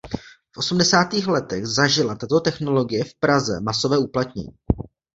V osmdesátých letech zažila tato technologie v Praze masové uplatnění.